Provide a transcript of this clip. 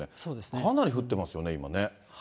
かなり降ってますよね、今ね。